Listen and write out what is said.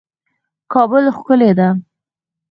کابل ښکلی ده